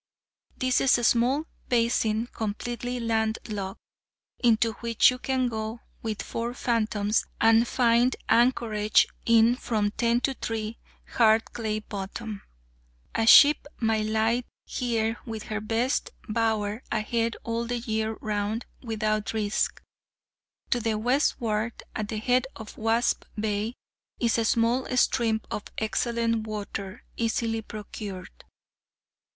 This is a small basin, completely landlocked, into which you can go with four fathoms, and find anchorage in from ten to three, hard clay bottom. A ship might lie here with her best bower ahead all the year round without risk. To the westward, at the head of Wasp Bay, is a small stream of excellent water, easily procured.